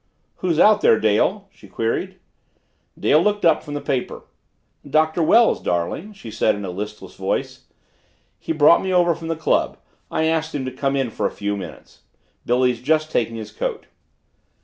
"Who's out there, Dale?" she queried. Dale looked up from the paper. "Doctor Wells, darling," she said in a listless voice. "He brought me over from the club; I asked him to come in for a few minutes. Billy's just taking his coat."